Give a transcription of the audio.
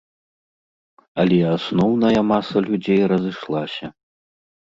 Але асноўная маса людзей разышлася.